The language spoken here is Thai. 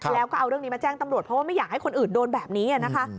แล้วก็เอาเรื่องนี้มาแจ้งตำรวจเพราะว่าไม่อยากให้คนอื่นโดนแบบนี้นะคะ